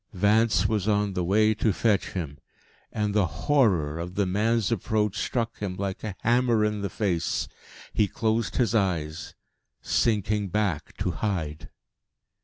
Vance was on the way to fetch him. And the horror of the man's approach struck him like a hammer in the face. He closed his eyes, sinking back to hide.